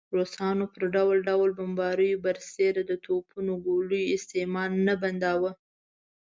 روسانو پر ډول ډول بمباریو برسېره د توپونو ګولیو استعمال نه بنداوه.